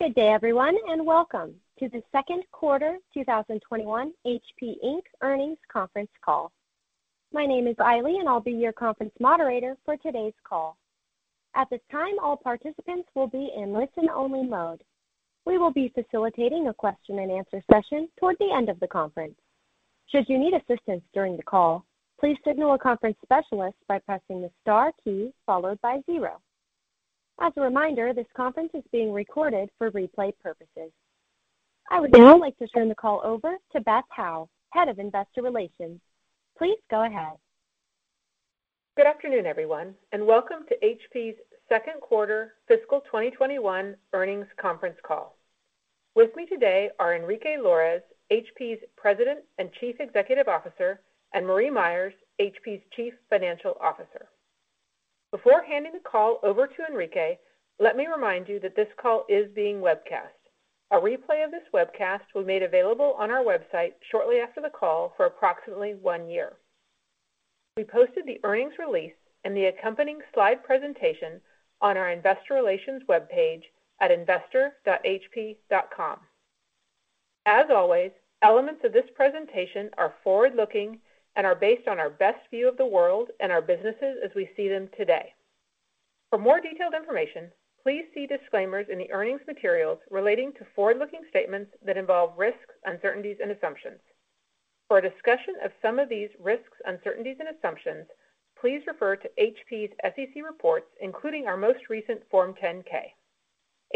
Good day everyone, and welcome to the Second Quarter 2021 HP Inc. Earnings Conference Call. My name is Eileen and I'll be your conference moderator for today's call. At this time, all participants will be in listen only mode. We will be facilitating a question and answer session toward the end of the conference. Should you need assistance during the call, please signal a conference specialist by pressing the star key followed by zero. As a reminder, this conference is being recorded for replay purposes. I would now like to turn the call over to Beth Howe, Head of Investor Relations. Please go ahead. Good afternoon, everyone, and welcome to HP's second quarter fiscal 2021 earnings conference call. With me today are Enrique Lores, HP's President and Chief Executive Officer, and Marie Myers, HP's Chief Financial Officer. Before handing the call over to Enrique, let me remind you that this call is being webcast. A replay of this webcast will be made available on our website shortly after the call for approximately one year. We posted the earnings release and the accompanying slide presentation on our investor relations webpage at investor.hp.com. As always, elements of this presentation are forward-looking and are based on our best view of the world and our businesses as we see them today. For more detailed information, please see disclaimers in the earnings materials relating to forward-looking statements that involve risks, uncertainties, and assumptions. For a discussion of some of these risks, uncertainties, and assumptions, please refer to HP's SEC reports, including our most recent Form 10-K.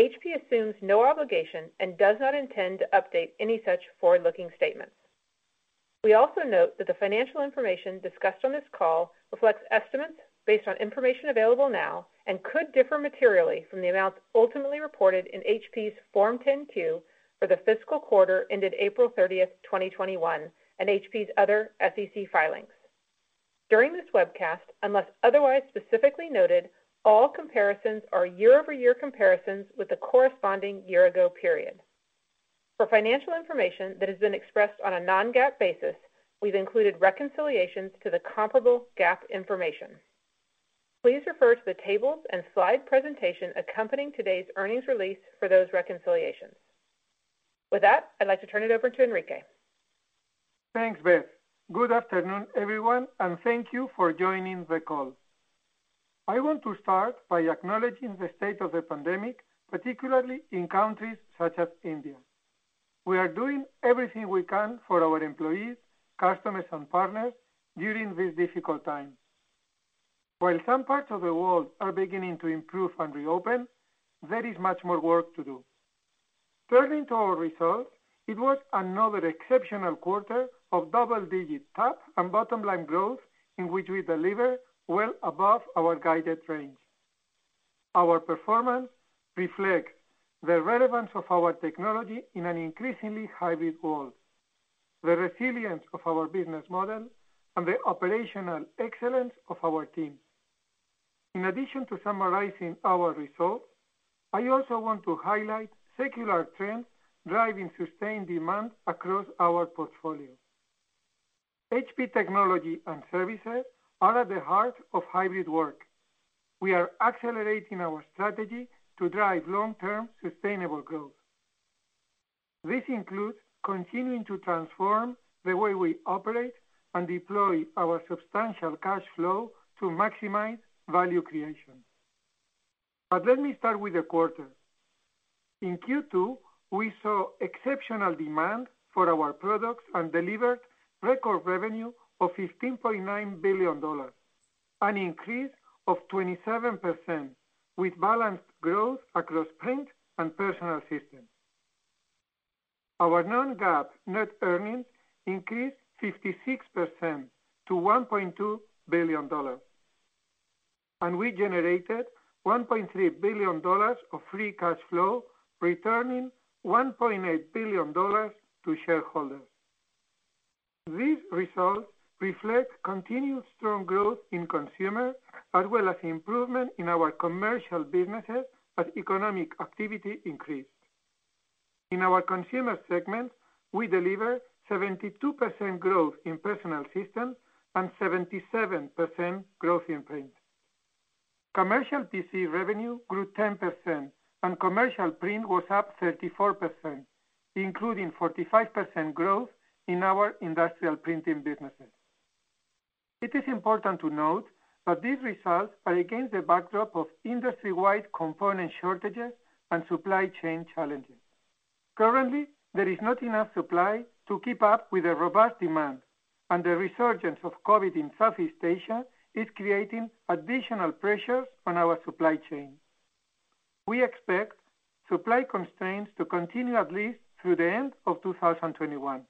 HP assumes no obligation and does not intend to update any such forward-looking statements. We also note that the financial information discussed on this call reflects estimates based on information available now and could differ materially from the amounts ultimately reported in HP's Form 10-Q for the fiscal quarter ended April 30th, 2021, and HP's other SEC filings. During this webcast, unless otherwise specifically noted, all comparisons are year-over-year comparisons with the corresponding year-ago period. For financial information that has been expressed on a non-GAAP basis, we've included reconciliations to the comparable GAAP information. Please refer to the tables and slide presentation accompanying today's earnings release for those reconciliations. With that, I'd like to turn it over to Enrique. Thanks, Beth. Good afternoon, everyone, and thank you for joining the call. I want to start by acknowledging the state of the pandemic, particularly in countries such as India. We are doing everything we can for our employees, customers, and partners during this difficult time. While some parts of the world are beginning to improve and reopen, there is much more work to do. Turning to our results, it was another exceptional quarter of double-digit top and bottom line growth, in which we delivered well above our guided range. Our performance reflects the relevance of our technology in an increasingly hybrid world, the resilience of our business model, and the operational excellence of our team. In addition to summarizing our results, I also want to highlight secular trends driving sustained demand across our portfolio. HP technology and services are at the heart of hybrid work. We are accelerating our strategy to drive long-term sustainable growth. This includes continuing to transform the way we operate and deploy our substantial cash flow to maximize value creation. Let me start with the quarter. In Q2, we saw exceptional demand for our products and delivered record revenue of $15.9 billion, an increase of 27%, with balanced growth across Print and Personal Systems. Our non-GAAP net earnings increased 56% to $1.2 billion, and we generated $1.3 billion of free cash flow, returning $1.8 billion to shareholders. These results reflect continued strong growth in consumer, as well as improvement in our commercial businesses as economic activity increased. In our consumer segment, we delivered 72% growth in Personal Systems and 77% growth in Print. Commercial PC revenue grew 10%, and commercial Print was up 34%, including 45% growth in our industrial printing businesses. It is important to note that these results are against the backdrop of industry-wide component shortages and supply chain challenges. Currently, there is not enough supply to keep up with the robust demand, and the resurgence of COVID in Southeast Asia is creating additional pressures on our supply chain. We expect supply constraints to continue at least through the end of 2021.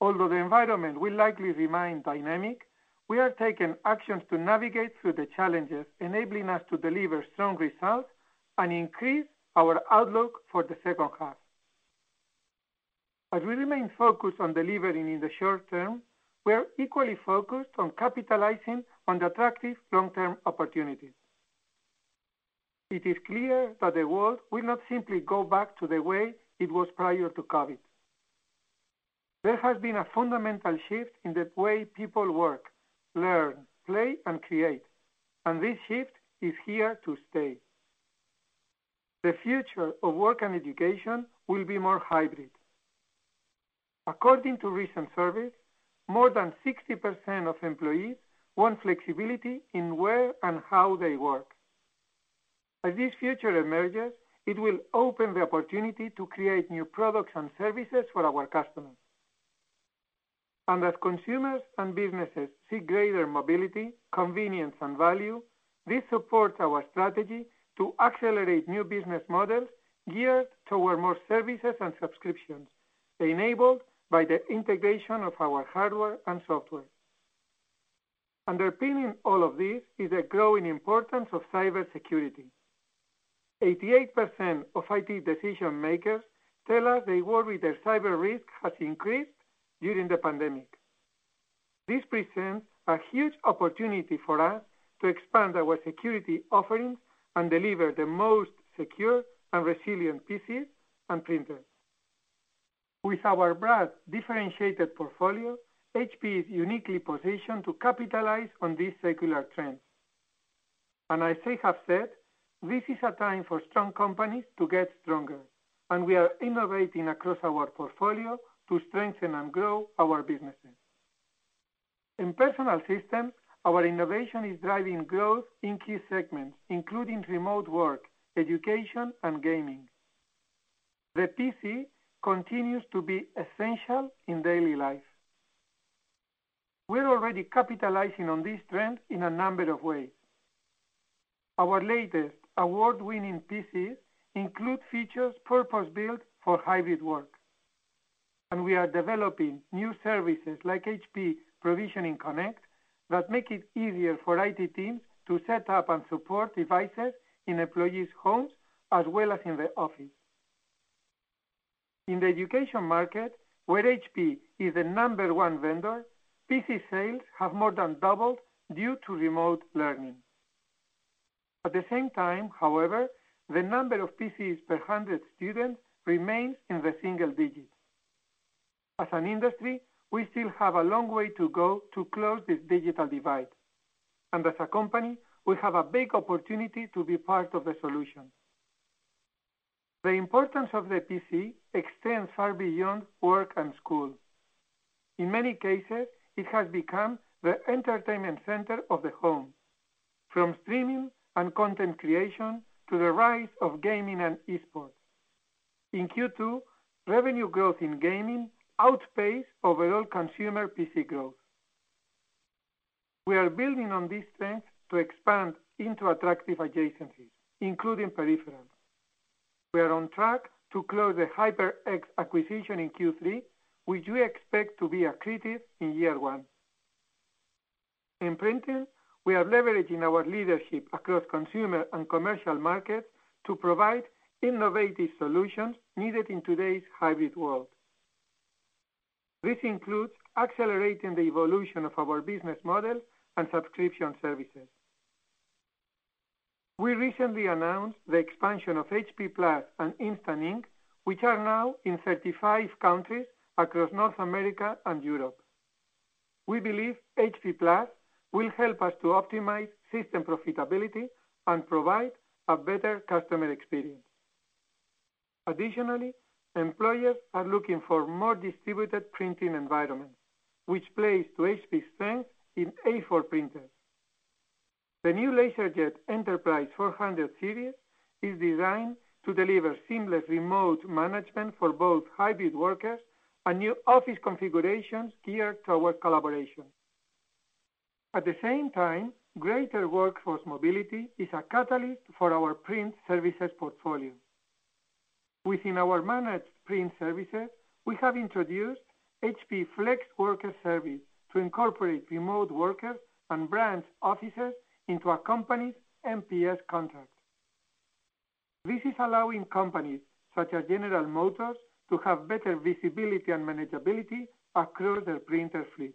Although the environment will likely remain dynamic, we are taking actions to navigate through the challenges, enabling us to deliver strong results and increase our outlook for the second half. As we remain focused on delivering in the short term, we are equally focused on capitalizing on the attractive long-term opportunities. It is clear that the world will not simply go back to the way it was prior to COVID. There has been a fundamental shift in the way people work, learn, play, and create, and this shift is here to stay. The future of work and education will be more hybrid. According to recent surveys, more than 60% of employees want flexibility in where and how they work. As this future emerges, it will open the opportunity to create new products and services for our customers. As consumers and businesses seek greater mobility, convenience, and value, this supports our strategy to accelerate new business models geared toward more services and subscriptions, enabled by the integration of our hardware and software. Underpinning all of this is the growing importance of cybersecurity. 88% of IT decision-makers tell us they worry their cyber risk has increased during the pandemic. This presents a huge opportunity for us to expand our security offerings and deliver the most secure and resilient PCs and printers. With our broad, differentiated portfolio, HP is uniquely positioned to capitalize on these secular trends. As they have said, this is a time for strong companies to get stronger, and we are innovating across our portfolio to strengthen and grow our businesses. In Personal Systems, our innovation is driving growth in key segments, including remote work, education, and gaming. The PC continues to be essential in daily life. We're already capitalizing on this trend in a number of ways. Our latest award-winning PCs include features purpose-built for hybrid work, and we are developing new services like HP Provisioning Connect that make it easier for IT teams to set up and support devices in employees' homes as well as in the office. In the education market, where HP is the number one vendor, PC sales have more than doubled due to remote learning. At the same time, however, the number of PCs per 100 students remains in the single digits. As an industry, we still have a long way to go to close this digital divide, and as a company, we have a big opportunity to be part of the solution. The importance of the PC extends far beyond work and school. In many cases, it has become the entertainment center of the home, from streaming and content creation to the rise of gaming and esports. In Q2, revenue growth in gaming outpaced overall consumer PC growth. We are building on these trends to expand into attractive adjacencies, including peripherals. We are on track to close the HyperX acquisition in Q3, which we expect to be accretive in year one. In printing, we are leveraging our leadership across consumer and commercial markets to provide innovative solutions needed in today's hybrid world. This includes accelerating the evolution of our business model and subscription services. We recently announced the expansion of HP+ and Instant Ink, which are now in 35 countries across North America and Europe. We believe HP+ will help us to optimize system profitability and provide a better customer experience. Additionally, employers are looking for more distributed printing environments, which plays to HP's strength in A4 printers. The new LaserJet Enterprise 400 series is designed to deliver seamless remote management for both hybrid workers and new office configurations geared toward collaboration. At the same time, greater workforce mobility is a catalyst for our print services portfolio. Within our managed print services, we have introduced HP Flexworker service to incorporate remote workers and branch offices into a company's MPS contract. This is allowing companies such as General Motors to have better visibility and manageability across their printer fleet.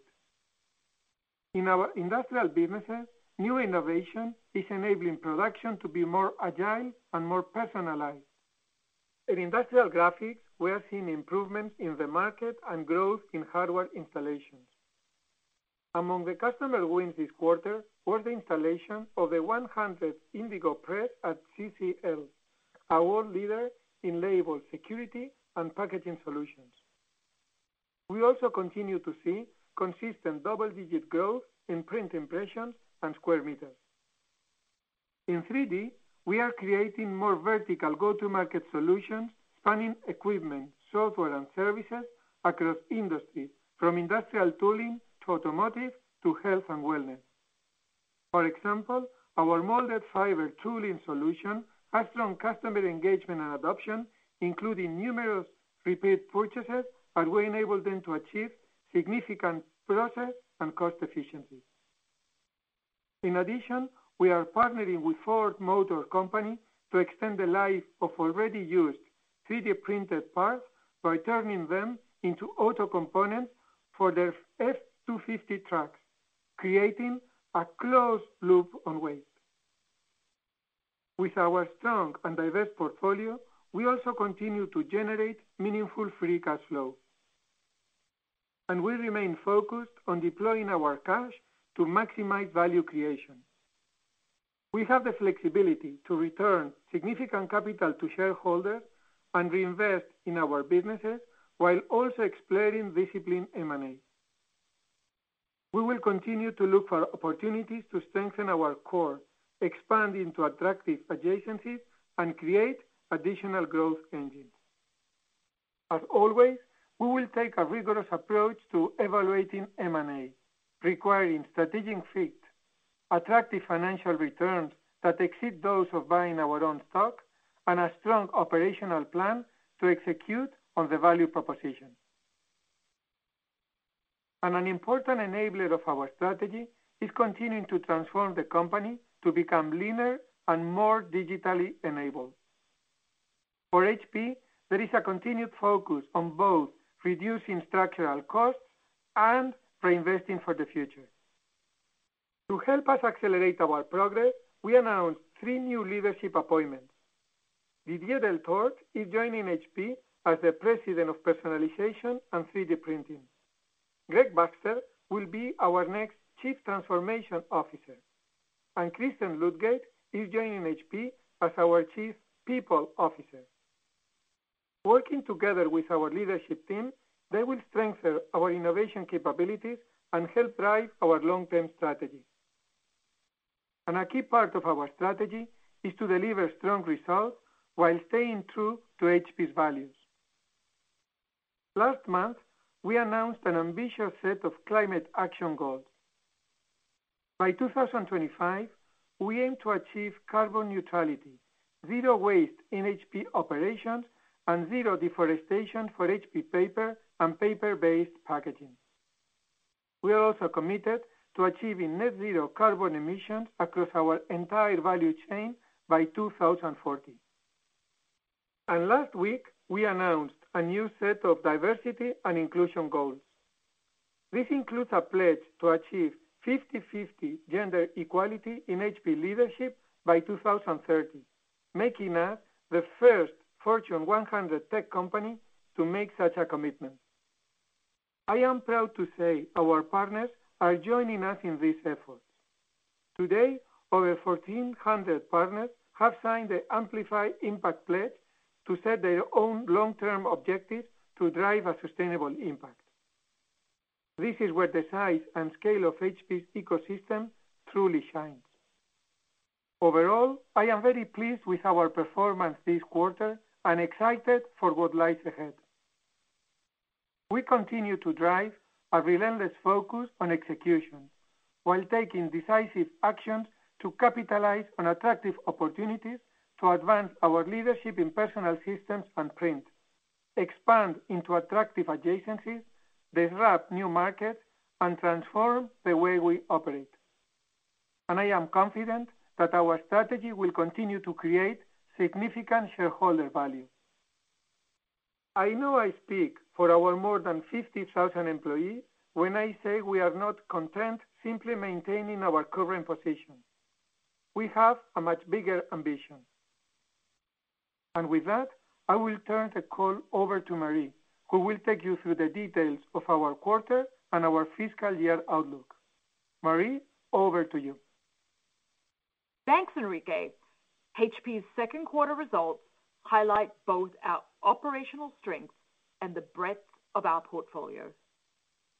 In our industrial businesses, new innovation is enabling production to be more agile and more personalized. In Industrial Graphics, we are seeing improvement in the market and growth in hardware installations. Among the customer wins this quarter was the installation of a 100th Indigo Press at CCL, our world leader in label security and packaging solutions. We also continue to see consistent double-digit growth in print impressions and square meters. In 3D, we are creating more vertical go-to-market solutions spanning equipment, software, and services across industries, from industrial tooling to automotive to health and wellness. For example, our molded fiber tooling solution has strong customer engagement and adoption, including numerous repeat purchases as we enable them to achieve significant process and cost efficiencies. In addition, we are partnering with Ford Motor Company to extend the life of already used 3D-printed parts by turning them into auto components for their F-250 trucks, creating a closed-loop on way. With our strong and diverse portfolio, we also continue to generate meaningful free cash flow. We remain focused on deploying our cash to maximize value creation. We have the flexibility to return significant capital to shareholders and reinvest in our businesses while also exploring disciplined M&A. We will continue to look for opportunities to strengthen our core, expand into attractive adjacencies, and create additional growth engines. As always, we will take a rigorous approach to evaluating M&A, requiring strategic fit, attractive financial returns that exceed those of buying our own stock, and a strong operational plan to execute on the value proposition. An important enabler of our strategy is continuing to transform the company to become leaner and more digitally enabled. For HP, there is a continued focus on both reducing structural costs and reinvesting for the future. To help us accelerate our progress, we announced three new leadership appointments. Didier Deltort is joining HP as the President of Personalization and 3D Printing, Greg Baxter will be our next Chief Transformation Officer, and Kristen Ludgate is joining HP as our Chief People Officer. Working together with our leadership team, they will strengthen our innovation capabilities and help drive our long-term strategy. A key part of our strategy is to deliver strong results while staying true to HP's values. Last month, we announced an ambitious set of climate action goals. By 2025, we aim to achieve carbon neutrality, zero waste in HP operations, and zero deforestation for HP paper and paper-based packaging. We are also committed to achieving net zero carbon emissions across our entire value chain by 2040. Last week, we announced a new set of diversity and inclusion goals. This includes a pledge to achieve 50/50 gender equality in HP leadership by 2030, making us the first Fortune 100 tech company to make such a commitment. I am proud to say our partners are joining us in this effort. Today, over 1,400 partners have signed the Amplify Impact pledge to set their own long-term objectives to drive a sustainable impact. This is where the size and scale of HP's ecosystem truly shines. Overall, I am very pleased with our performance this quarter and excited for what lies ahead. We continue to drive a relentless focus on execution while taking decisive actions to capitalize on attractive opportunities to advance our leadership in Personal Systems and print, expand into attractive adjacencies, disrupt new markets, and transform the way we operate. I am confident that our strategy will continue to create significant shareholder value. I know I speak for our more than 50,000 employees when I say we are not content simply maintaining our current position. We have a much bigger ambition. With that, I will turn the call over to Marie, who will take you through the details of our quarter and our fiscal year outlook. Marie, over to you. Thanks, Enrique. HP's second quarter results highlight both our operational strengths and the breadth of our portfolio.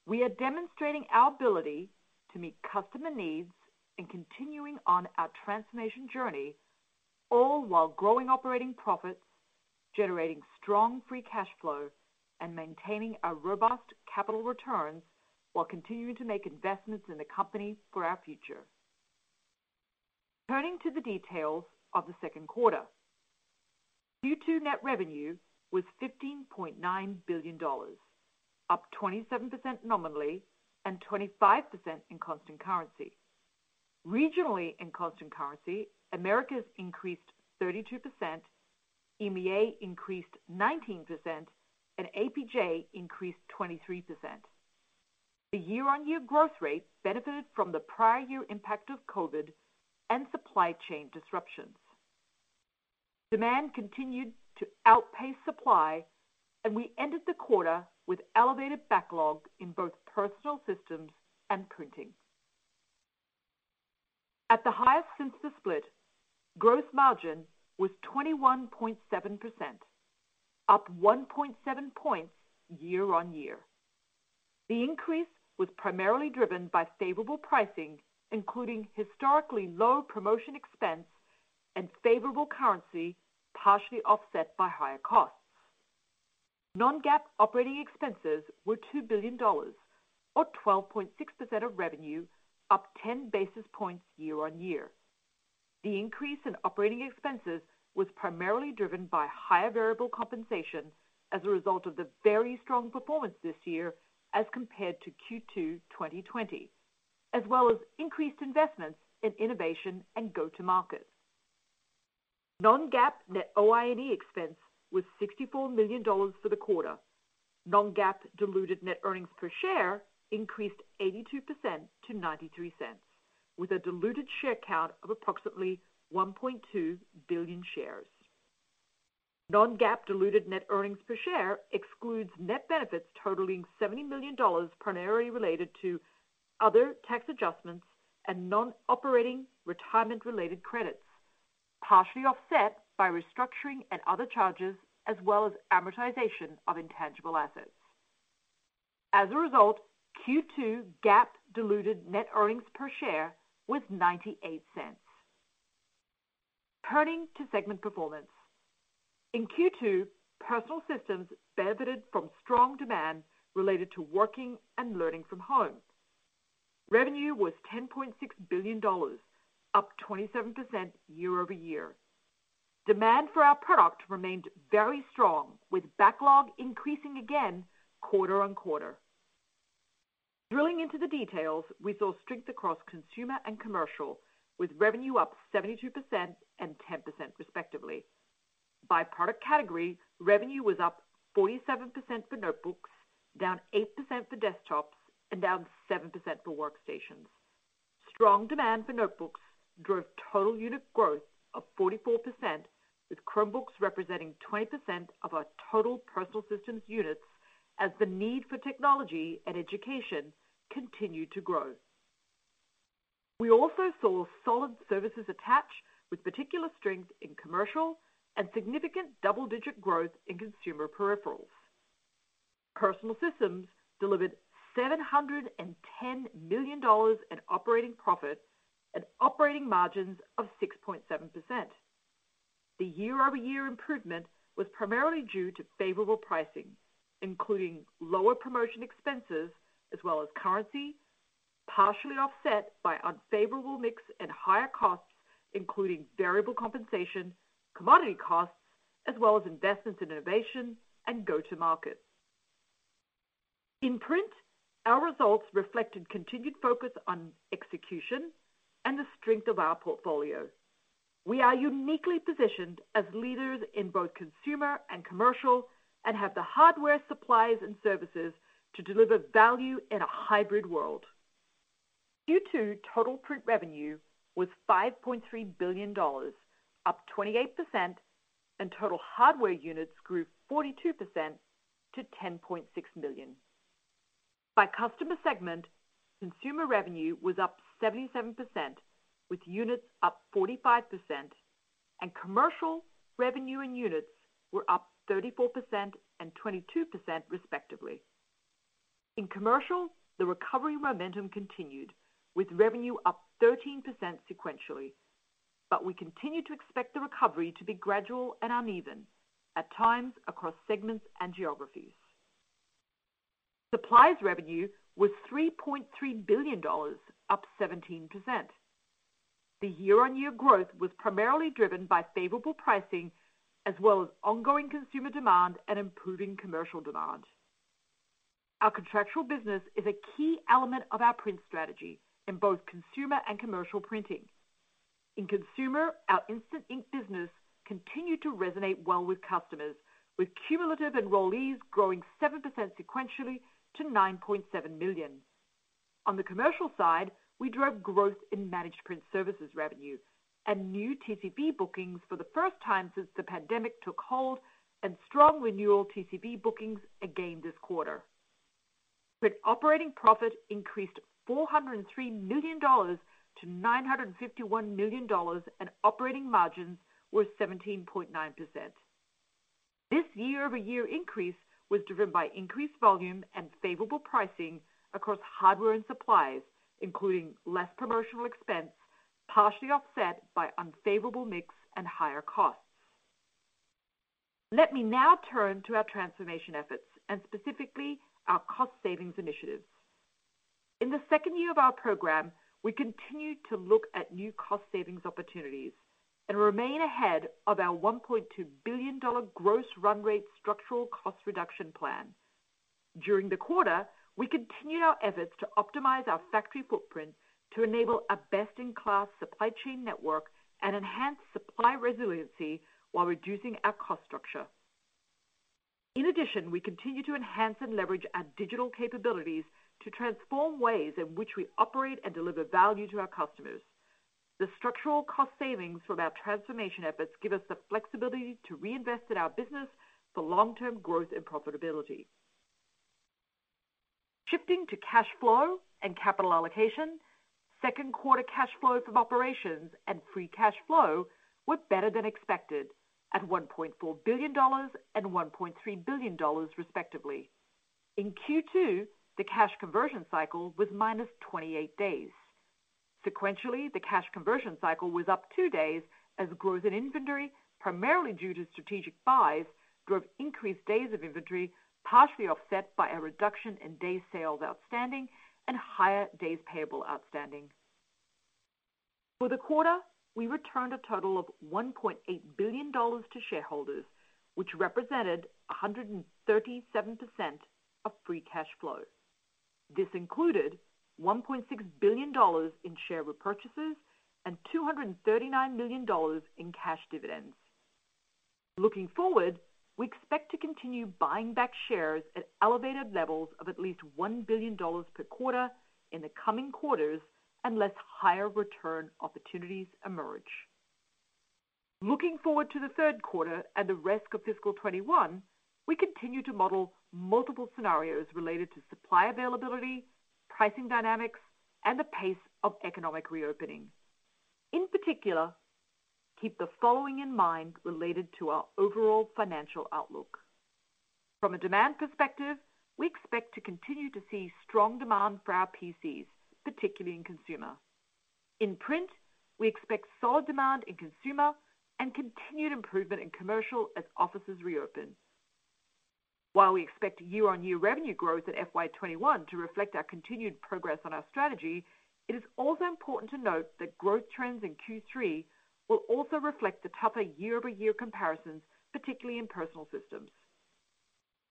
We are demonstrating our ability to meet customer needs and continuing on our transformation journey, all while growing operating profits, generating strong free cash flow, and maintaining our robust capital returns while continuing to make investments in the company for our future. Turning to the details of the second quarter. Q2 net revenue was $15.9 billion, up 27% nominally and 25% in constant currency. Regionally, in constant currency, Americas increased 32%, EMEA increased 19%, and APJ increased 23%. The year-on-year growth rate benefited from the prior year impact of COVID and supply chain disruptions. Demand continued to outpace supply, and we ended the quarter with elevated backlogs in both Personal Systems and Printing. At the highest since the split, gross margin was 21.7%, up 1.7 points year-on-year. The increase was primarily driven by favorable pricing, including historically low promotion expense and favorable currency, partially offset by higher costs. Non-GAAP operating expenses were $2 billion, or 12.6% of revenue, up 10 basis points year-on-year. The increase in operating expenses was primarily driven by higher variable compensation as a result of the very strong performance this year as compared to Q2 2020, as well as increased investments in innovation and go-to-market. Non-GAAP net OI&E expense was $64 million for the quarter. Non-GAAP diluted net earnings per share increased 82% to $0.93, with a diluted share count of approximately 1.2 billion shares. Non-GAAP diluted net earnings per share excludes net benefits totaling $70 million, primarily related to other tax adjustments and non-operating retirement-related credits, partially offset by restructuring and other charges, as well as amortization of intangible assets. As a result, Q2 GAAP diluted net earnings per share was $0.98. Turning to segment performance. In Q2, Personal Systems benefited from strong demand related to working and learning from home. Revenue was $10.6 billion, up 27% year-over-year. Demand for our product remained very strong, with backlog increasing again quarter-on-quarter. Drilling into the details, we saw strength across consumer and commercial, with revenue up 72% and 10%, respectively. By product category, revenue was up 47% for notebooks, down 8% for desktops and down 7% for workstations. Strong demand for notebooks drove total unit growth of 44%, with Chromebooks representing 20% of our total Personal Systems units as the need for technology and education continued to grow. We also saw solid services attach, with particular strength in commercial and significant double-digit growth in consumer peripherals. Personal Systems delivered $710 million in operating profit and operating margins of 6.7%. The year-over-year improvement was primarily due to favorable pricing, including lower promotion expenses, as well as currency, partially offset by unfavorable mix and higher costs, including variable compensation, commodity costs, as well as investments in innovation and go-to-market. In Print, our results reflect a continued focus on execution and the strength of our portfolio. We are uniquely positioned as leaders in both consumer and commercial and have the hardware, supplies, and services to deliver value in a hybrid world. Q2 total Print revenue was $5.3 billion, up 28%, and total hardware units grew 42% to 10.6 million. By customer segment, consumer revenue was up 77%, with units up 45%, and commercial revenue and units were up 34% and 22%, respectively. In commercial, the recovery momentum continued, with revenue up 13% sequentially, but we continue to expect the recovery to be gradual and uneven, at times across segments and geographies. Supplies revenue was $3.3 billion, up 17%. The year-on-year growth was primarily driven by favorable pricing as well as ongoing consumer demand and improving commercial demand. Our contractual business is a key element of our Print strategy in both consumer and commercial printing. In consumer, our Instant Ink business continued to resonate well with customers, with cumulative enrollees growing 7% sequentially to 9.7 million. On the commercial side, we drove growth in managed print services revenue and new TCV bookings for the first time since the pandemic took hold and strong renewal TCV bookings again this quarter. Print operating profit increased $403 million to $951 million, and operating margins were 17.9%. This year-over-year increase was driven by increased volume and favorable pricing across hardware and supplies, including less promotional expense, partially offset by unfavorable mix and higher costs. Let me now turn to our transformation efforts and specifically our cost savings initiatives. In the second year of our program, we continued to look at new cost savings opportunities and remain ahead of our $1.2 billion gross run rate structural cost reduction plan. During the quarter, we continued our efforts to optimize our factory footprint to enable a best-in-class supply chain network and enhance supply resiliency while reducing our cost structure. In addition, we continue to enhance and leverage our digital capabilities to transform ways in which we operate and deliver value to our customers. The structural cost savings from our transformation efforts give us the flexibility to reinvest in our business for long-term growth and profitability. Shifting to cash flow and capital allocation, second quarter cash flows from operations and free cash flow were better than expected, at $1.4 billion and $1.3 billion, respectively. In Q2, the cash conversion cycle was -28 days. Sequentially, the cash conversion cycle was up two days as growth in inventory, primarily due to strategic buys, drove increased days of inventory, partially offset by a reduction in days sales outstanding and higher days payable outstanding. For the quarter, we returned a total of $1.8 billion to shareholders, which represented 137% of free cash flow. This included $1.6 billion in share repurchases and $239 million in cash dividends. Looking forward, we expect to continue buying back shares at elevated levels of at least $1 billion per quarter in the coming quarters, unless higher return opportunities emerge. Looking forward to the third quarter and the rest of fiscal 2021, we continue to model multiple scenarios related to supply availability, pricing dynamics, and the pace of economic reopening. In particular, keep the following in mind related to our overall financial outlook. From a demand perspective, we expect to continue to see strong demand for our PCs, particularly in consumer. In Print, we expect solid demand in consumer and continued improvement in commercial as offices reopen. While we expect year-on-year revenue growth in FY 2021 to reflect our continued progress on our strategy, it is also important to note that growth trends in Q3 will also reflect the tougher year-over-year comparisons, particularly in Personal Systems.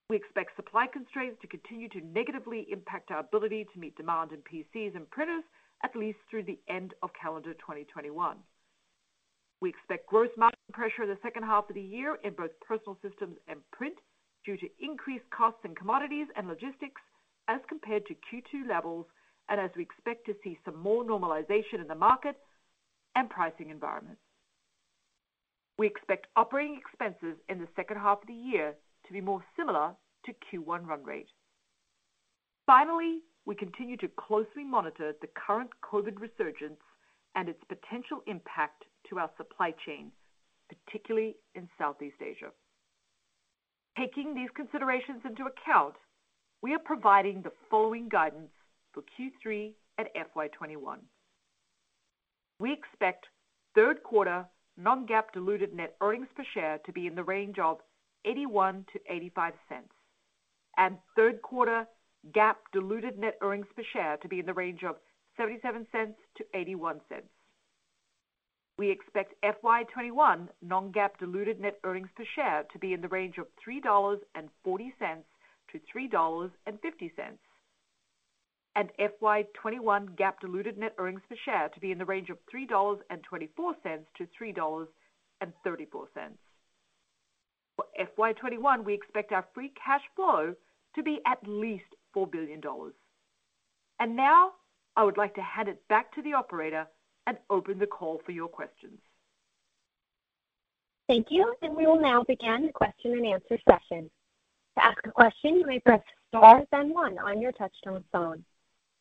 We expect supply constraints to continue to negatively impact our ability to meet demand in PCs and printers at least through the end of calendar 2021. We expect gross margin pressure in the second half of the year in both Personal Systems and Print due to increased costs in commodities and logistics as compared to Q2 levels, and as we expect to see some more normalization in the markets and pricing environments. We expect operating expenses in the second half of the year to be more similar to Q1 run rate. Finally, we continue to closely monitor the current COVID resurgence and its potential impact to our supply chains, particularly in Southeast Asia. Taking these considerations into account, we are providing the following guidance for Q3 and FY 2021. We expect third quarter non-GAAP diluted net earnings per share to be in the range of $0.81-$0.85, and third quarter GAAP diluted net earnings per share to be in the range of $0.77-$0.81. We expect FY 2021 non-GAAP diluted net earnings per share to be in the range of $3.40-$3.50, and FY 2021 GAAP diluted net earnings per share to be in the range of $3.24-$3.34. For FY 2021, we expect our free cash flow to be at least $4 billion. Now I would like to hand it back to the operator and open the call for your questions. Thank you. We will now begin the question and answer session. To ask a question, you may press star then one on your touchtone phone.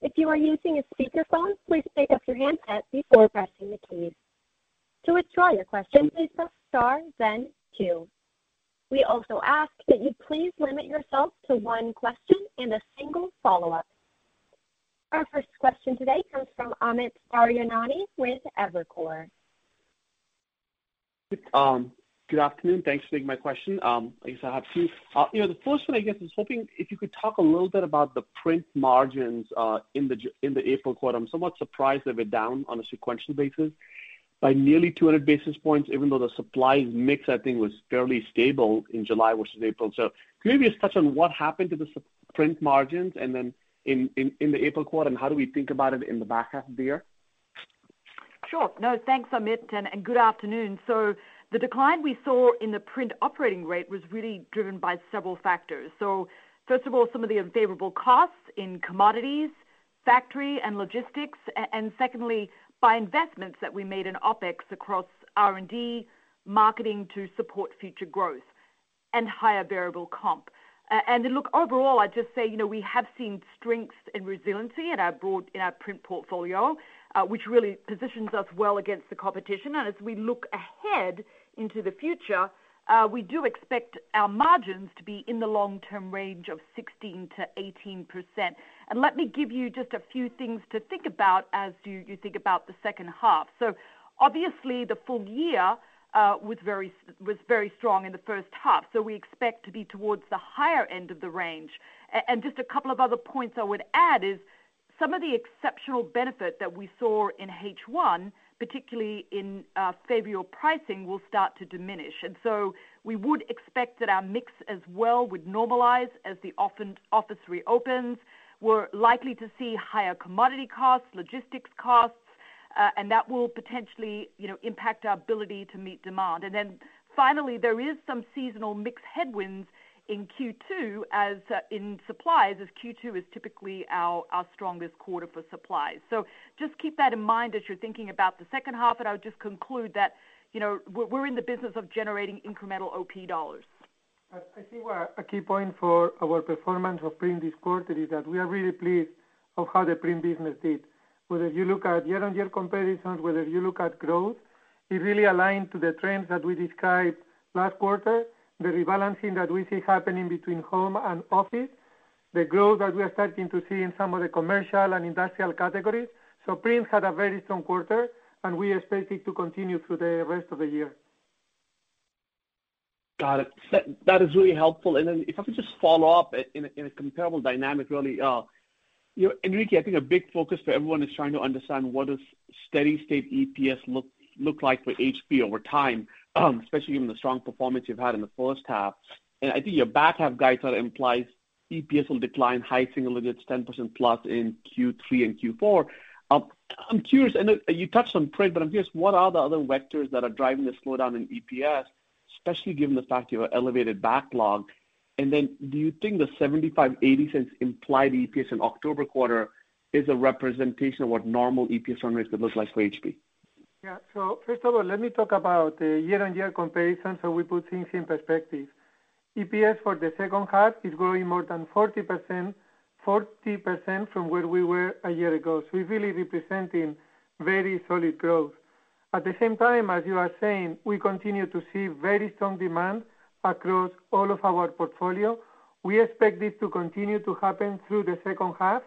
If you are using a speakerphone, please pick up the handset before pressing the keys. To withdraw your question, please press star then two. We also ask that you please limit yourself to one question and a single follow-up. Our first question today comes from Amit Daryanani with Evercore. Good afternoon. Thanks for taking my question. Thanks for having us here. The first one, I guess I was hoping if you could talk a little bit about the print margins in the April quarter. I'm somewhat surprised they were down on a sequential basis by nearly 200 basis points, even though the supplies mix, I think, was fairly stable in July versus April. Maybe a touch on what happened to the print margins in the April quarter, and how do we think about it in the back half of the year? Sure. No, thanks, Amit. Good afternoon. The decline we saw in the print operating rate was really driven by several factors. First of all, some of the unfavorable costs in commodities, factory, and logistics, and secondly, by investments that we made in OpEx across R&D, marketing to support future growth, and higher variable comp. Look, overall, I'd just say, we have seen strength and resiliency in our print portfolio, which really positions us well against the competition. As we look ahead into the future, we do expect our margins to be in the long-term range of 16%-18%. Let me give you just a few things to think about as you think about the second half. Obviously, the full year was very strong in the first half. We expect to be towards the higher end of the range. Just a couple of other points I would add is some of the exceptional benefit that we saw in H1, particularly in favorable pricing, will start to diminish. We would expect that our mix as well would normalize as the office reopens. We're likely to see higher commodity costs, logistics costs, and that will potentially impact our ability to meet demand. Finally, there is some seasonal mix headwinds in Q2 in supplies, as Q2 is typically our strongest quarter for supplies. Just keep that in mind as you're thinking about the second half. I would just conclude that we're in the business of generating incremental OP dollars. I think a key point for our performance of print this quarter is that we are really pleased of how the print business did. Whether you look at year-over-year comparisons, whether you look at growth, it really aligned to the trends that we described last quarter, the rebalancing that we see happening between home and office, the growth that we are starting to see in some of the commercial and industrial categories. Print had a very strong quarter, and we expect it to continue through the rest of the year. Got it. That is really helpful. If I could just follow up in a comparable dynamic, really. Enrique, I think a big focus for everyone is trying to understand what is. steady state EPS look like for HP over time, especially given the strong performance you've had in the first half. I think your back half guide sort of implies EPS will decline high single digits, 10%+ in Q3 and Q4. I'm curious, and you touched on Print, but I'm curious what are the other vectors that are driving the slowdown in EPS, especially given the fact you have elevated backlogs. Do you think the $0.75, $0.80 implied EPS in October quarter is a representation of what normal EPS earnings will look like for HP? First of all, let me talk about the year-over-year comparison, we put things in perspective. EPS for the second half is growing more than 40% from where we were a year ago. It's really representing very solid growth. At the same time, as you are saying, we continue to see very strong demand across all of our portfolio. We expect it to continue to happen through the second half,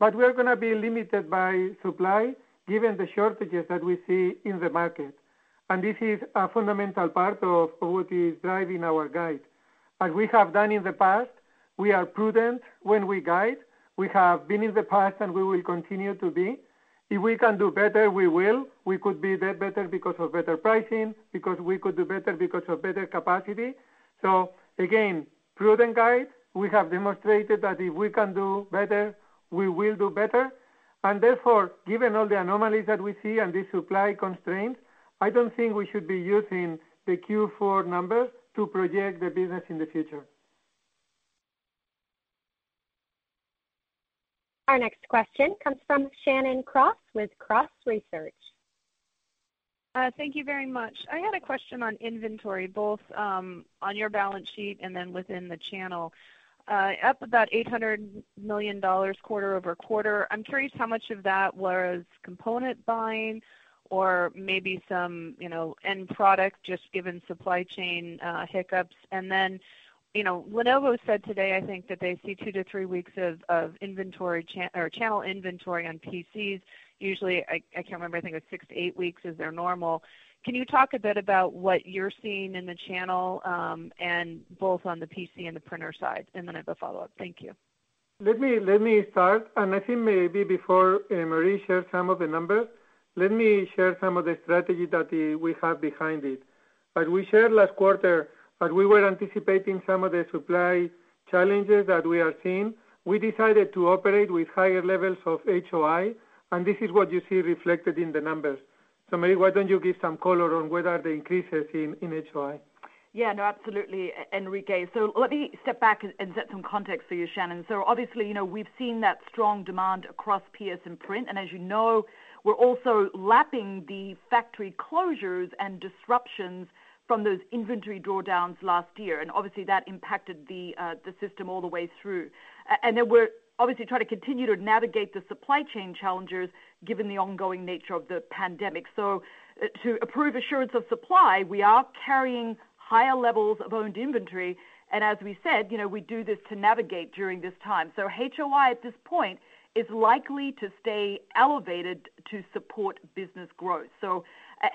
but we're going to be limited by supply given the shortages that we see in the market. This is a fundamental part of what is driving our guide. As we have done in the past, we are prudent when we guide. We have been in the past, and we will continue to be. If we can do better, we will. We could do better because of better pricing, because we could do better because of better capacity. Again, prudent guide. We have demonstrated that if we can do better, we will do better. Therefore, given all the anomalies that we see and the supply constraints, I don't think we should be using the Q4 numbers to project the business in the future. Our next question comes from Shannon Cross with Cross Research. Thank you very much. I had a question on inventory, both on your balance sheet and then within the channel. Up about $800 million quarter-over-quarter. I'm curious how much of that was component buying or maybe some end product just given supply chain hiccups. Lenovo said today I think that they see two to three weeks of channel inventory on PCs. Usually, I can't remember, I think it was six to eight weeks is their normal. Can you talk a bit about what you're seeing in the channel, and both on the PC and the printer side? I have a follow-up. Thank you. Let me start. I think maybe before Marie shares some of the numbers, let me share some of the strategies that we have behind it. As we shared last quarter, as we were anticipating some of the supply challenges that we are seeing, we decided to operate with higher levels of HOI. This is what you see reflected in the numbers. Marie, why don't you give some color on where are the increases in HOI? Yeah, no, absolutely, Enrique. Let me step back and set some context for you, Shannon. Obviously, we've seen that strong demand across PS and Print. As you know, we're also lapping the factory closures and disruptions from those inventory drawdowns last year. Obviously that impacted the system all the way through. We're obviously trying to continue to navigate the supply chain challenges given the ongoing nature of the pandemic. To improve assurance of supply, we are carrying higher levels of owned inventory. As we said, we do this to navigate during this time. HOI at this point is likely to stay elevated to support business growth.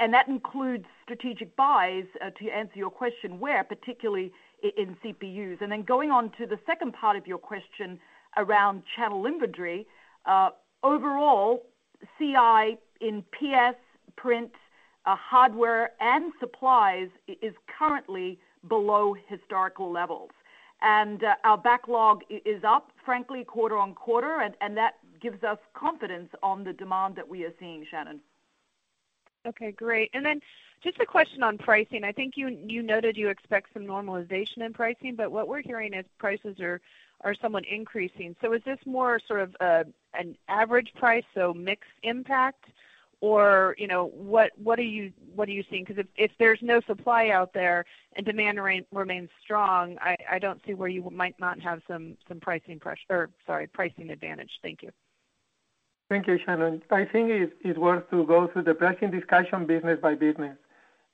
That includes strategic buys, to answer your question where, particularly in CPUs. Then going on to the second part of your question around channel inventory. Overall, CI in PS, Print, hardware, and supplies is currently below historical levels. Our backlog is up frankly quarter-on-quarter, and that gives us confidence on the demand that we are seeing, Shannon. Okay, great. Just a question on pricing. I think you noted you expect some normalization in pricing, but what we're hearing is prices are somewhat increasing. Is this more sort of an average price, so mixed impact? Or what do you think? If there's no supply out there and demand remains strong, I don't see where you might not have some pricing pressure, or sorry, pricing advantage. Thank you. Thank you, Shannon. I think it's worth to go through the pricing discussion business by business.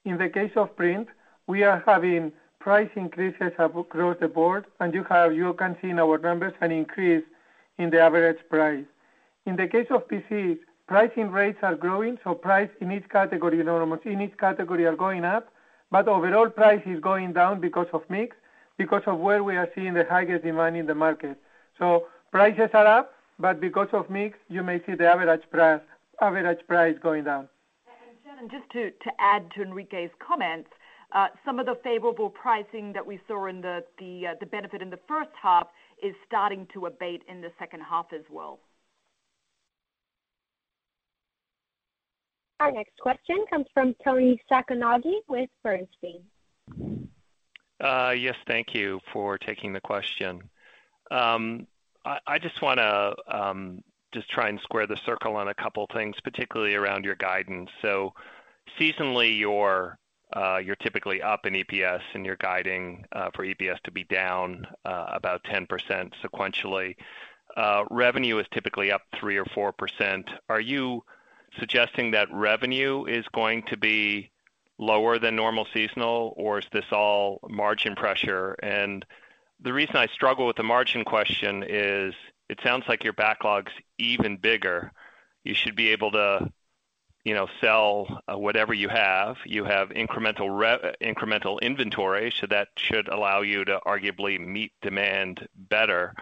In the case of Print, we are having price increases across the board, and you can see in our numbers an increase in the average price. In the case of PC, pricing rates are growing, price in each category are going up, but overall price is going down because of mix, because of where we are seeing the highest demand in the market. Prices are up, but because of mix, you may see the average price going down. Shannon, just to add to Enrique's comments, some of the favorable pricing that we saw in the benefit in the first half is starting to abate in the second half as well. Our next question comes from Toni Sacconaghi with Bernstein. Yes, thank you for taking the question. I want to try and square the circle on a couple of things, particularly around your guidance. Seasonally, you're typically up in EPS and you're guiding for EPS to be down about 10% sequentially. Revenue is typically up 3% or 4%. Are you suggesting that revenue is going to be lower than normal seasonal, or is this all margin pressure? The reason I struggle with the margin question is it sounds like your backlog's even bigger. You should be able to sell whatever you have. You have incremental inventory, that should allow you to arguably meet demand better.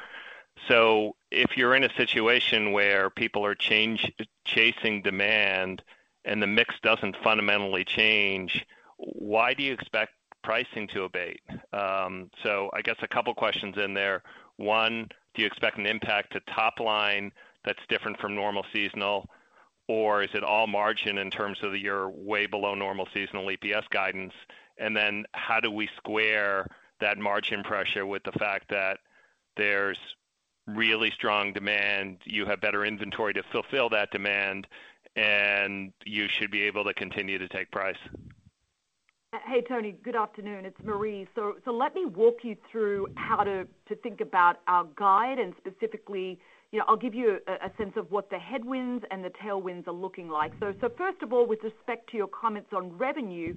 If you're in a situation where people are chasing demand and the mix doesn't fundamentally change, why do you expect pricing to abate? I guess a couple of questions in there. One, do you expect an impact to top line that's different from normal seasonal, or is it all margin in terms of your way below normal seasonal EPS guidance? How do we square that margin pressure with the fact that there's really strong demand, you have better inventory to fulfill that demand, and you should be able to continue to take price? Hey, Toni. Good afternoon. It's Marie. Let me walk you through how to think about our guide and specifically, I'll give you a sense of what the headwinds and the tailwinds are looking like. First of all, with respect to your comments on revenues,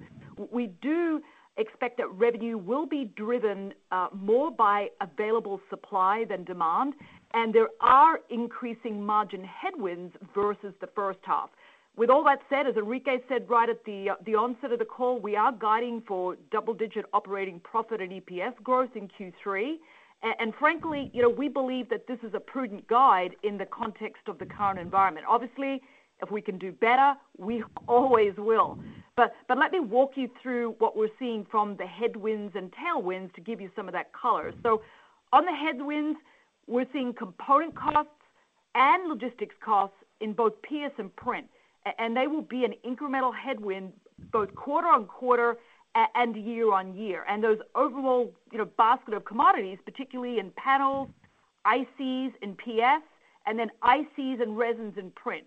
we do expect that revenue will be driven more by available supply than demand, and there are increasing margin headwinds versus the first half. With all that said, as Enrique said right at the onset of the call, we are guiding for double-digit operating profit and EPS growth in Q3. Frankly, we believe that this is a prudent guide in the context of the current environment. Obviously, if we can do better, we always will. Let me walk you through what we're seeing from the headwinds and tailwinds to give you some of that color. On the headwinds, we're seeing component costs and logistics costs in both PS and Print, they will be an incremental headwind both quarter-on-quarter and year-on-year. Those overall basket of commodities, particularly in panels, ICs in PS, and then ICs and resins in Print.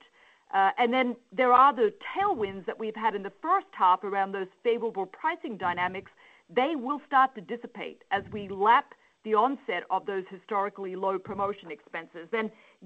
There are those tailwinds that we've had in H1 around those favorable pricing dynamics. They will start to dissipate as we lap the onset of those historically low promotion expenses.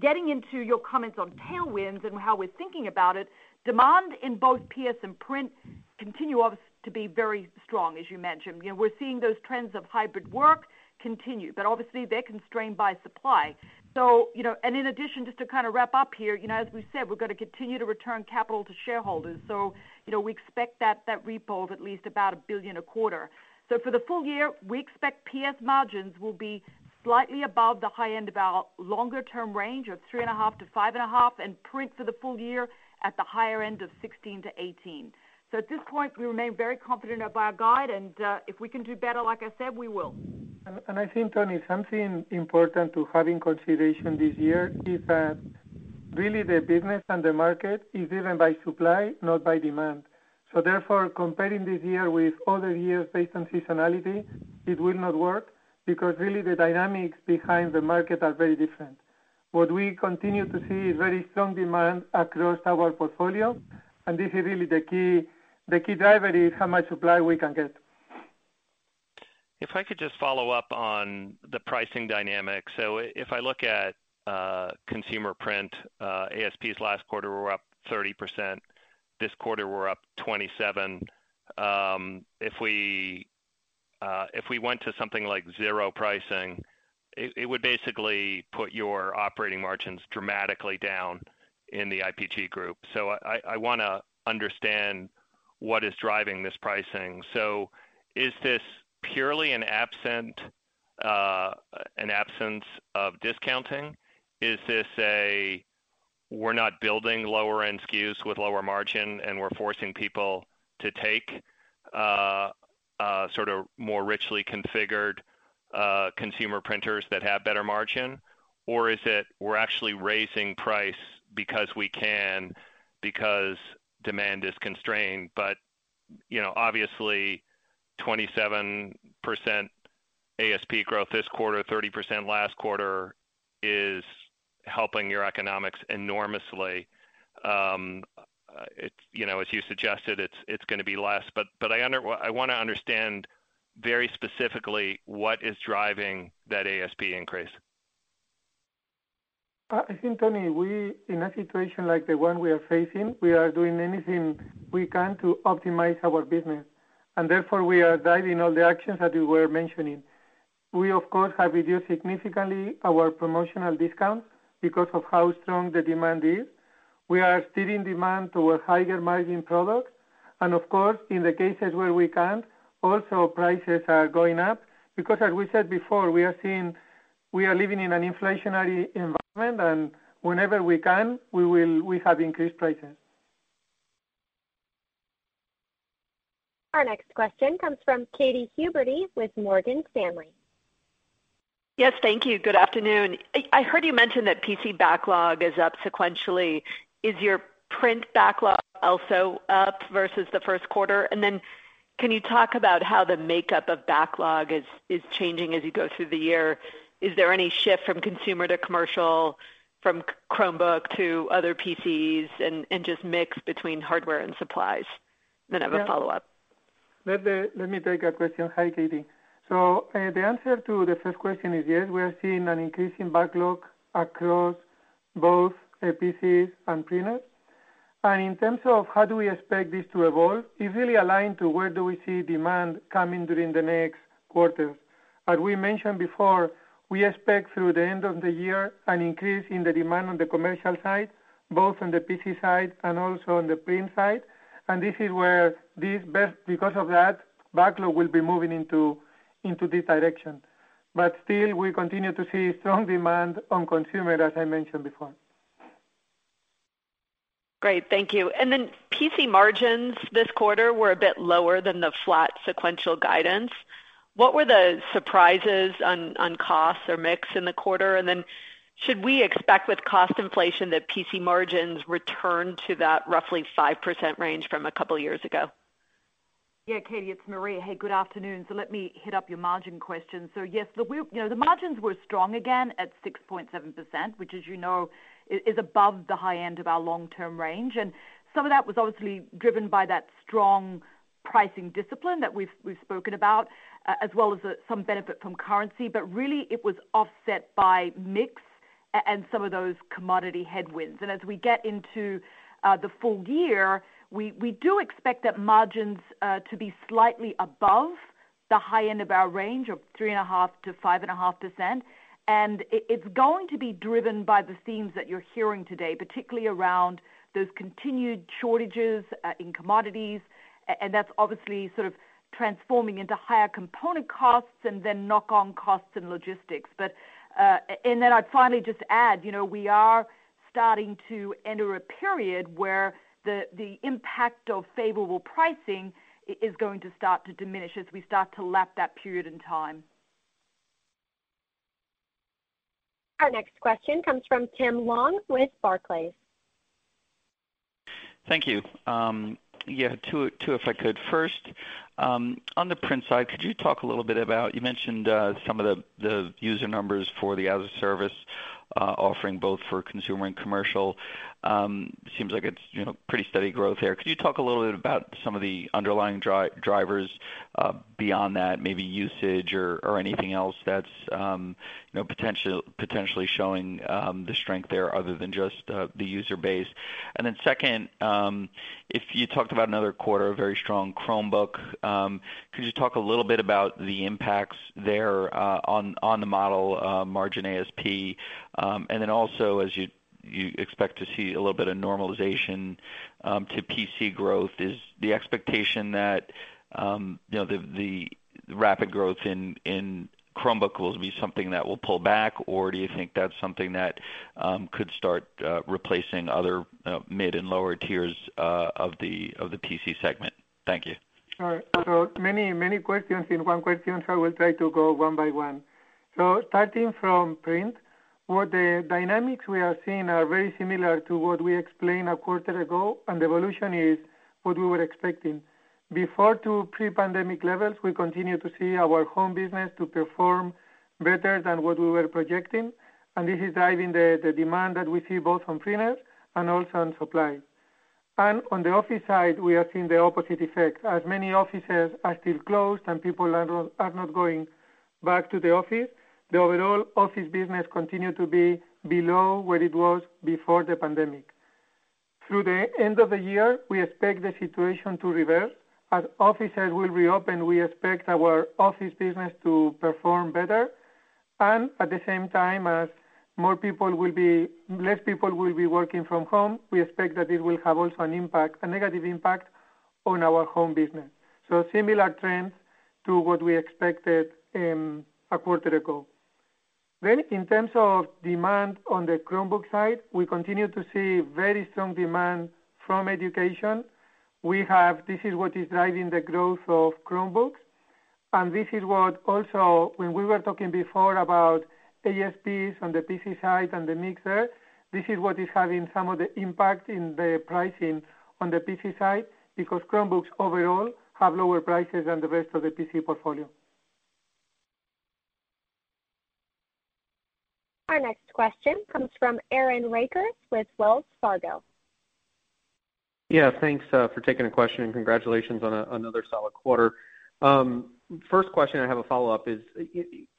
Getting into your comments on tailwinds and how we're thinking about it, demand in both PS and Print continue, obviously, to be very strong, as you mentioned. We're seeing those trends of hybrid work continue, but obviously they're constrained by supply. In addition, just to wrap up here, as we said, we're going to continue to return capital to shareholders. We expect that that represents at least about $1 billion a quarter. For the full year, we expect PS margins will be slightly above the high end of our longer-term range of 3.5%-5.5%, and print for the full year at the higher end of 16%-18%. At this point, we remain very confident of our guide, and if we can do better, like I said, we will. I think, Toni, something important to have in consideration this year is that really the business and the market is driven by supply, not by demand. Therefore, comparing this year with other years based on seasonality, it will not work because really the dynamics behind the market are very different. What we continue to see is very strong demand across our portfolio, and this is really the key. The key driver is how much supply we can get. If I could just follow up on the pricing dynamic. If I look at consumer print, ASPs last quarter were up 30%, this quarter were up 27%. If we went to something like zero pricing, it would basically put your operating margins dramatically down in the IPG group. I want to understand what is driving this pricing. Is this purely an absence of discounting? Is this, we're not building lower-end SKUs with lower margin and we're forcing people to take sort of more richly configured consumer printers that have better margin? Or is it we're actually raising price because we can, because demand is constrained? Obviously 27% ASP growth this quarter, 30% last quarter is helping your economics enormously. As you suggested, it's going to be less. I want to understand very specifically what is driving that ASP increase. I think, Toni, we, in a situation like the one we are facing, we are doing anything we can to optimize our business, and therefore we are driving all the actions that you were mentioning. We, of course, have reduced significantly our promotional discounts because of how strong the demand is. We are steering demand to a higher margin product. Of course, in the cases where we can, also prices are going up because as we said before, we are living in an inflationary environment, and whenever we can, we have increased prices. Our next question comes from Katy Huberty with Morgan Stanley. Yes, thank you. Good afternoon. I heard you mention that PC backlog is up sequentially. Is your print backlog also up versus the first quarter? Can you talk about how the makeup of backlog is changing as you go through the year? Is there any shift from consumer to commercial, from Chromebook to other PCs, and just mix between hardware and supplies? I have a follow-up. Let me take that question. Hi, Katy. The answer to the first question is yes, we are seeing an increasing backlog across both PCs and printers. In terms of how do we expect this to evolve, it's really aligned to where do we see demand coming during the next quarters. As we mentioned before, we expect through the end of the year an increase in the demand on the commercial side, both on the PC side and also on the print side. This is where this best because of that backlog will be moving into this direction. Still, we continue to see strong demand on consumer, as I mentioned before. Great. Thank you. PC margins this quarter were a bit lower than the flat sequential guidance. What were the surprises on costs or mix in the quarter? Should we expect with cost inflation that PC margins return to that roughly 5% range from a couple of years ago? Katy, it's Marie. Good afternoon. Let me hit up your margin question. Yes, the margins were strong again at 6.7%, which as you know, is above the high end of our long-term range. Some of that was obviously driven by that strong pricing discipline that we've spoken about, as well as some benefit from currency. Really it was offset by mix and some of those commodity headwinds. As we get into the full year, we do expect that margins to be slightly above the high end of our range of 3.5%-5.5%. It's going to be driven by the themes that you're hearing today, particularly around those continued shortages in commodities. That's obviously sort of transforming into higher component costs and then knock-on costs and logistics. I'd finally just add, we are starting to enter a period where the impact of favorable pricing is going to start to diminish as we start to lap that period in time. Our next question comes from Tim Long with Barclays. Thank you. Yeah, two if I could. First, on the Print side, could you talk a little bit about, you mentioned some of the user numbers for the as-a-service offering both for consumer and commercial. Seems like it's pretty steady growth there. Could you talk a little bit about some of the underlying drivers beyond that, maybe usage or anything else that's potentially showing the strength there other than just the user base? Then second, you talked about another quarter of very strong Chromebooks. Could you talk a little bit about the impacts there on the model margin ASP? As you expect to see a little bit of normalization to PC growth, is the expectation that the rapid growth in Chromebook will be something that will pull back, or do you think that's something that could start replacing other mid and lower tiers of the PC segment? Thank you. Sure. Many questions in one question, so I will try to go one by one. Starting from Print, what the dynamics we are seeing are very similar to what we explained a quarter ago, and the evolution is what we were expecting. Before to pre-pandemic levels, we continue to see our Home business to perform better than what we were projecting, and this is driving the demand that we see both on printers and also on supply. On the Office side, we are seeing the opposite effect. As many offices are still closed and people are not going back to the office, the overall Office business continue to be below where it was before the pandemic. Through the end of the year, we expect the situation to reverse. As offices will reopen, we expect our Office business to perform better. At the same time, as less people will be working from home, we expect that it will have also a negative impact on our Home business. Similar trends to what we expected a quarter ago. In terms of demand on the Chromebook side, we continue to see very strong demand from education. This is what is driving the growth of Chromebooks. This is what also, when we were talking before about ASPs on the PC side and the mixer, this is what is having some of the impact in the pricing on the PC side, because Chromebooks overall have lower prices than the rest of the PC portfolio. Our next question comes from Aaron Rakers with Wells Fargo. Yeah, thanks for taking the question, and congratulations on another solid quarter. First question, I have a follow-up is,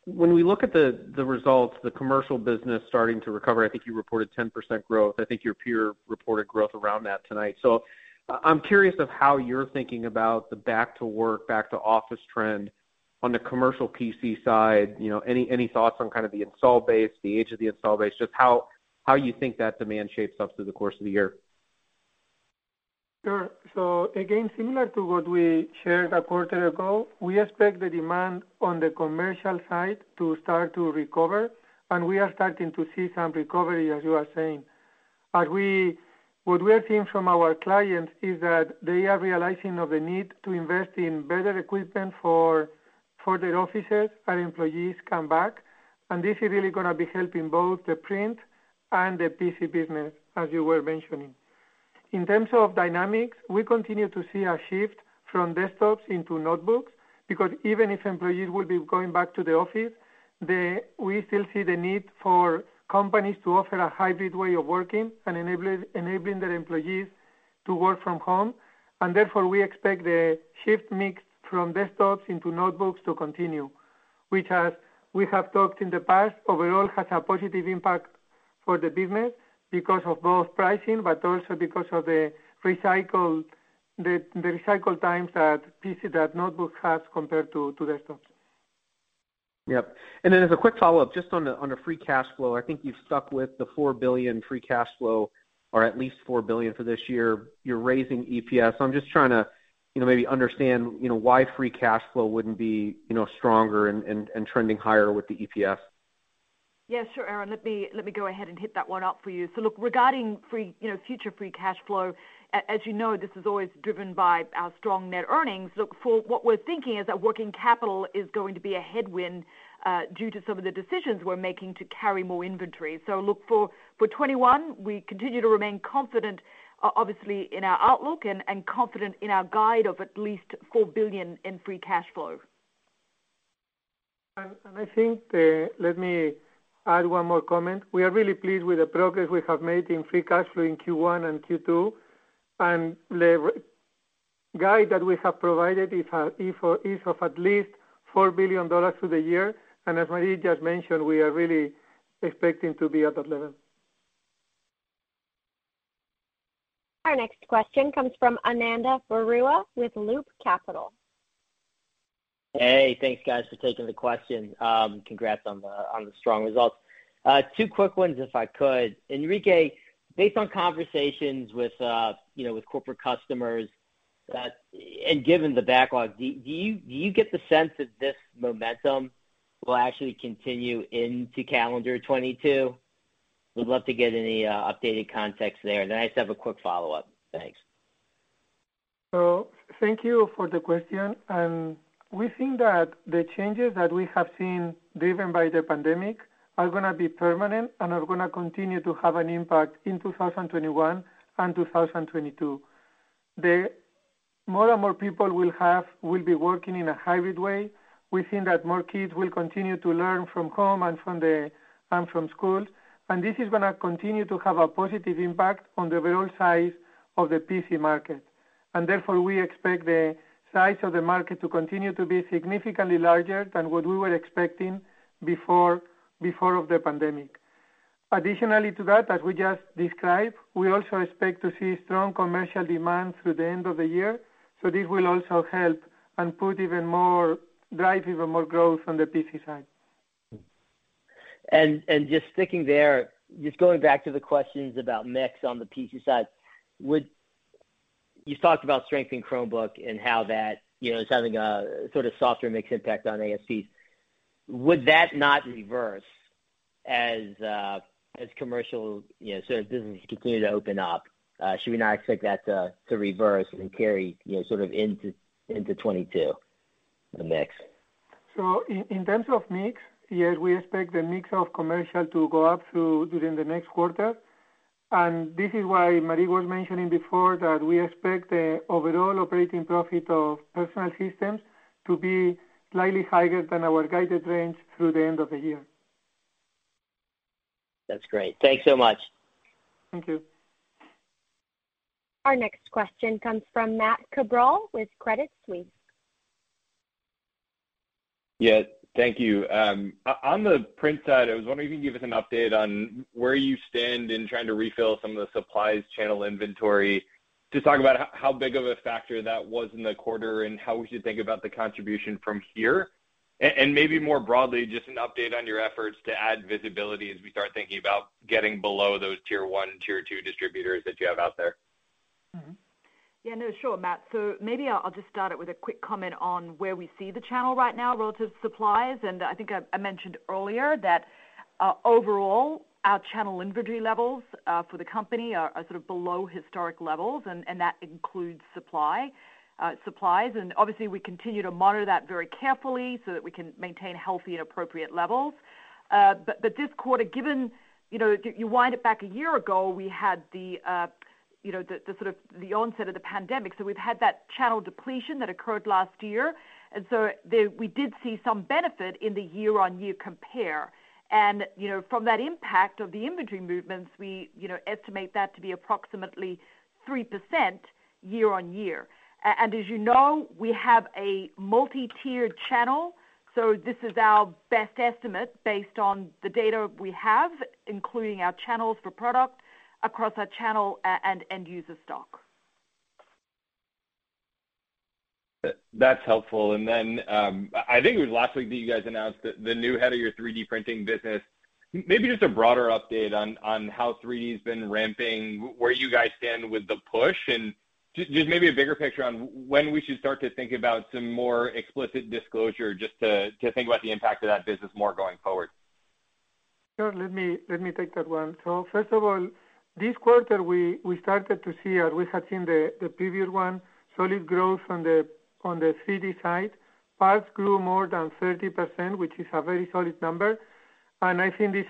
when we look at the results of the commercial business starting to recover, I think you reported 10% growth. I think your peer reported growth around that tonight. I'm curious of how you're thinking about the back to work, back to office trend on the commercial PC side. Any thoughts on kind of the install base, the age of the install base, just how you think that demand shapes up through the course of the year? Sure. Again, similar to what we shared a quarter ago, we expect the demand on the commercial side to start to recover, and we are starting to see some recovery, as you are saying. What we are seeing from our clients is that they are realizing of the need to invest in better equipment for their offices as employees come back. This is really going to be helping both the Print and the PC business, as you were mentioning. In terms of dynamics, we continue to see a shift from desktops into notebooks, because even if employees will be going back to the office, we still see the need for companies to offer a hybrid way of working and enabling their employees to work from home. Therefore, we expect the shift mix from desktops into notebooks to continue. We have talked in the past overall has a positive impact for the business because of both pricing, but also because of the recycle times that notebooks have compared to desktops. Yep. As a quick follow-up, just on the free cash flow, I think you've stuck with the $4 billion free cash flow, or at least $4 billion for this year. You're raising EPS. I'm just trying to maybe understand why free cash flow wouldn't be stronger and trending higher with the EPS. Yeah, sure, Aaron Rakers. Let me go ahead and hit that one up for you. Look, regarding future free cash flow, as you know, this is always driven by our strong net earnings. Look, for what we're thinking is that working capital is going to be a headwind due to some of the decisions we're making to carry more inventory. Look for FY 2021, we continue to remain confident, obviously, in our outlook and confident in our guide of at least $4 billion in free cash flow. I think, let me add one more comment. We are really pleased with the progress we have made in free cash flow in Q1 and Q2, and the guide that we have provided is of at least $4 billion for the year. As Enrique mentioned, we are really expecting to be at that level. Our next question comes from Ananda Baruah with Loop Capital. Hey, thanks, guys, for taking the question. Congrats on the strong results. Two quick ones, if I could. Enrique, based on conversations with corporate customers, and given the backlog, do you get the sense that this momentum will actually continue into calendar 2022? Would love to get any updated context there, and I just have a quick follow-up. Thanks. Thank you for the question. We think that the changes that we have seen driven by the pandemic are going to be permanent and are going to continue to have an impact in 2021 and 2022. More and more people will be working in a hybrid way. We think that more kids will continue to learn from home and from school. This is going to continue to have a positive impact on the overall size of the PC market. Therefore, we expect the size of the market to continue to be significantly larger than what we were expecting before the pandemic. Additionally to that, like we just described, we also expect to see strong commercial demand through the end of the year. This will also help and drive even more growth on the PC side. Just sticking there, just going back to the questions about mix on the PC side. You talked about strength in Chromebook and how that is having a sort of softer mix impact on ASP. Would that not reverse as commercial, as business continue to open up? Should we not expect that to reverse and carry sort of into 2022, the mix? In terms of mix, yes, we expect the mix of commercial to go up too during the next quarter. This is why Marie was mentioning before that we expect the overall operating profit of Personal Systems to be slightly higher than our guided range through the end of the year. That's great. Thanks so much. Thank you. Our next question comes from Matt Cabral with Credit Suisse. Yeah, thank you. On the print side, I was wondering if you could give us an update on where you stand in trying to refill some of the supplies channel inventory. Just talk about how big of a factor that was in the quarter and how we should think about the contribution from here. Maybe more broadly, just an update on your efforts to add visibility as we start thinking about getting below those Tier 1, Tier 2 distributors that you have out there. Mm-hmm. Yeah. No, sure, Matt. Maybe I'll just start out with a quick comment on where we see the channel right now relative to supplies. I think I mentioned earlier that overall, our channel inventory levels for the company are sort of below historic levels, and that includes supplies. Obviously, we continue to monitor that very carefully so that we can maintain healthy, appropriate levels. This quarter, given if you wind it back a year ago, we had the onset of the pandemic. We've had that channel depletion that occurred last year. We did see some benefit in the year-on-year compare. From that impact of the inventory movements, we estimate that to be approximately 3% year-on-year. As you know, we have a multi-tiered channel. This is our best estimate based on the data we have, including our channels for product across our channel and end user stock. That's helpful. Then I think it was last week that you guys announced the new head of your 3D printing business. Maybe just a broader update on how 3D's been ramping, where you guys stand with the push, and just maybe a bigger picture on when we should start to think about some more explicit disclosure just to think about the impact of that business more going forward. Sure, let me take that one. First of all, this quarter, we started to see, as we had seen the previous one, solid growth on the 3D side. Parts grew more than 30%, which is a very solid number. I think this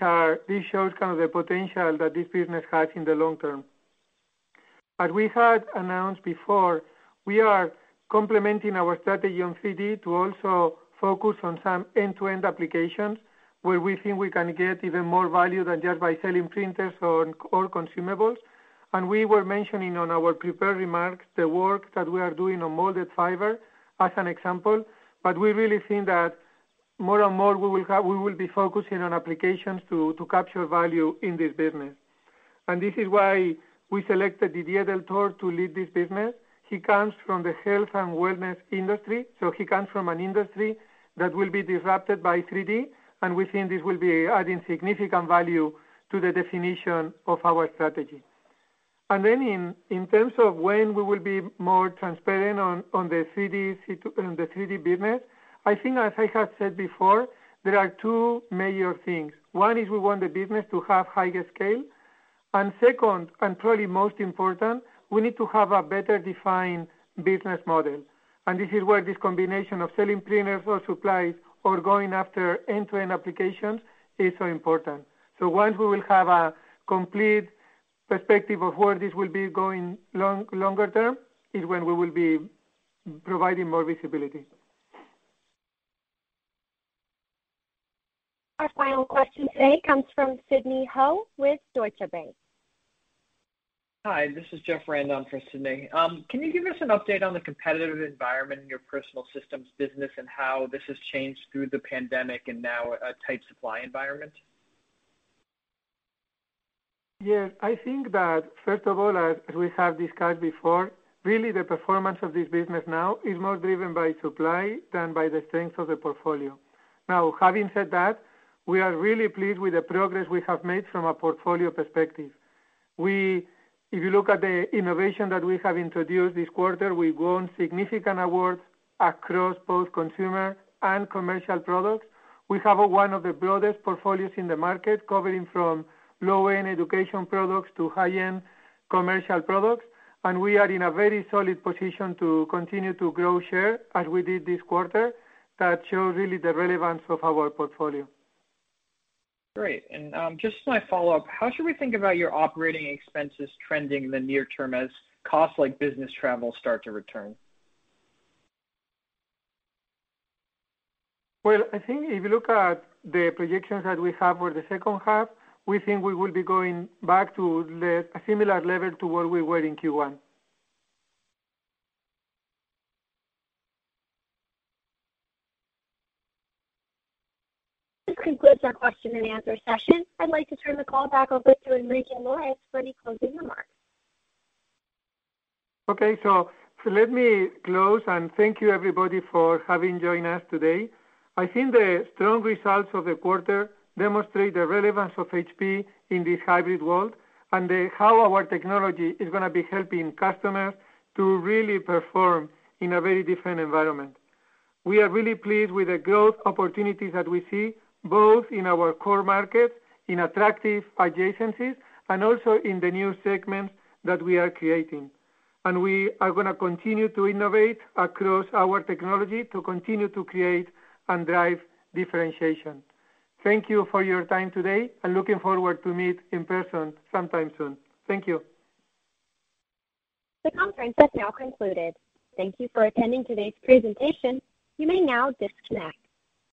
shows the potential that this business has in the long term. As we had announced before, we are complementing our strategy on 3D to also focus on some end-to-end applications where we think we can get even more value than just by selling printers or consumables. We were mentioning on our prepared remarks the work that we are doing on molded fiber as an example. We really think that more and more, we will be focusing on applications to capture value in this business. This is why we selected Didier Deltort to lead this business. He comes from the health and wellness industry, so he comes from an industry that will be disrupted by 3D, and we think this will be adding significant value to the definition of our strategy. In terms of when we will be more transparent on the 3D business, I think as I have said before, there are two major things. One is we want the business to have higher scale, and second, and probably most important, we need to have a better defined business model. This is where this combination of selling printers or supplies or going after end-to-end applications is so important. Once we will have a complete perspective of where this will be going longer term, is when we will be providing more visibility. Our final question today comes from Sidney Ho with Deutsche Bank. Hi, this is Jeffrey on for Sidney. Can you give us an update on the competitive environment in your Personal Systems business and how this has changed through the pandemic and now a tight supply environment? Yes. I think that, first of all, as we have discussed before, really the performance of this business now is more driven by supply than by the strength of the portfolio. Having said that, we are really pleased with the progress we have made from a portfolio perspective. If you look at the innovation that we have introduced this quarter, we've won significant awards across both consumer and commercial products. We have one of the broadest portfolios in the market, covering from low-end education products to high-end commercial products, and we are in a very solid position to continue to grow share as we did this quarter. That shows really the relevance of our portfolio. Great. Just my follow-up, how should we think about your operating expenses trending in the near term as costs like business travel start to return? Well, I think if you look at the projections that we have for the second half, we think we will be going back to a similar level to where we were in Q1. That concludes our question and answer session. I'd like to turn the call back over to Enrique Lores for any closing remarks. Okay, let me close and thank you, everybody, for having joined us today. I think the strong results of the quarter demonstrate the relevance of HP in this hybrid world, and how our technology is going to be helping customers to really perform in a very different environment. We are really pleased with the growth opportunities that we see, both in our core markets, in attractive adjacencies, and also in the new segments that we are creating. We are going to continue to innovate across our technology to continue to create and drive differentiation. Thank you for your time today, and looking forward to meet in person sometime soon. Thank you. The conference has now concluded. Thank you for attending today's presentation. You may now disconnect.